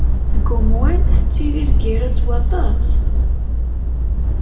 Deg umwan tettili lgerra s waṭas.